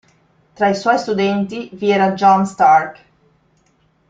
Tra i suoi studenti vi era John Stark.